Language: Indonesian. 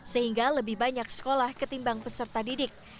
sehingga lebih banyak sekolah ketimbang peserta didik